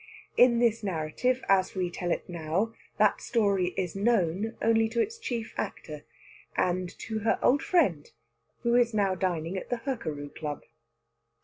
In this narrative, as we tell it now, that story is known only to its chief actor, and to her old friend who is now dining at the Hurkaru Club.